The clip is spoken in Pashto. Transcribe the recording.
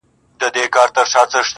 هسي نه چي په شرابو اموخته سم،